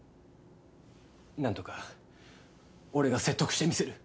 なんとか俺が説得してみせる。